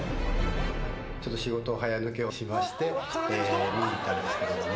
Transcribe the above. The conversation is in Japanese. ちょっと仕事を早抜けをしまして、見に行ったんですけども。